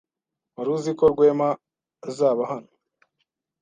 Wari uziko Rwema azaba hano.